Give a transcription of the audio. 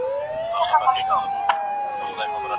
فکري تنوع به زمونږ ټولنه د پرمختګ لوري ته بوځي.